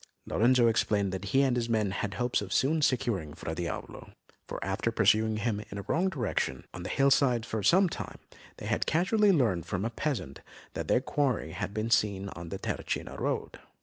Lorenzo explained that he and his men had hopes of soon securing Fra Diavolo, for after pursuing him in a wrong direction on the hillsides for some time, they had casually learnt from a peasant that their quarry had been seen on the Terracina road.